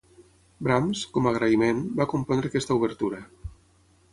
Brahms, com a agraïment, va compondre aquesta obertura.